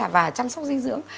và chăm sóc dinh dưỡng